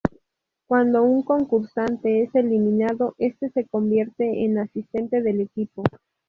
Cuando un concursante es eliminado, este se convierte en asistente del equipo.